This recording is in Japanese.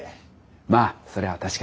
まあそれは確かに。